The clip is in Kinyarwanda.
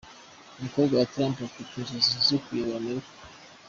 Umukobwa wa Trump afite inzozi zo kuzayobora Amerika.